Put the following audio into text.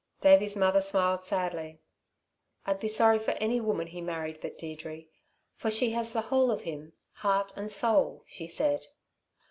Davey' s mother smiled sadly. "I'd be sorry for any woman he married but Deirdre, for she has the whole of him heart and soul," she said.